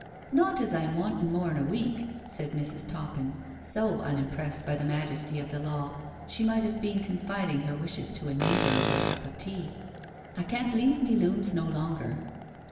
"Not as I'm wanting mor'n a week," said Mrs. Toppin, so unimpressed by the majesty of the law she might have been confiding her wishes to a neighbour over a cup of tea; "I can't leave me looms no longer."